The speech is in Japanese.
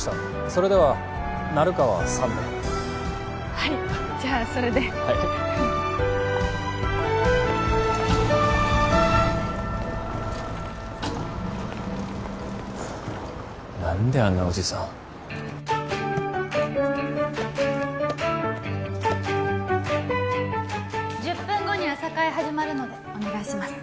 それでは成川さんではいじゃあそれではいはあ何であんなおじさん１０分後に朝会始まるのでお願いします